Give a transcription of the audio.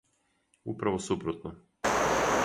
Управо супротно.